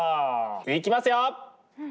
いきますよっ！